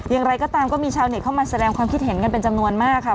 อย่างไรก็ตามก็มีชาวเน็ตเข้ามาแสดงความคิดเห็นกันเป็นจำนวนมากค่ะ